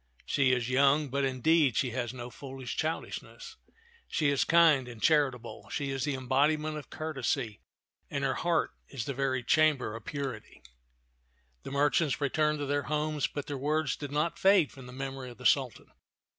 She is young, but, indeed, she has no foolish childishness. She is kind and charitable. She is the embodiment of courtesy, and her heart is the very chamber of purity." t^t (man of B(X)v'0 t<xk 57 The merchants returned to their homes, but their words did not fade from the memory of the Sultan.